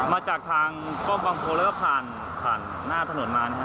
มาจากทางกล้องบังโพลเลอร์ผ่านหน้าถนนมา